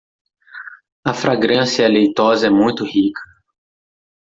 A fragrância leitosa é muito rica